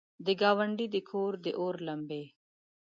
د ګاونډي د کور، داور لمبې!